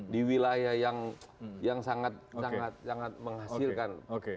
di wilayah yang sangat sangat menghasilkan